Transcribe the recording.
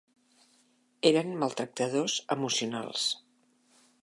Eren maltractadors emocionals.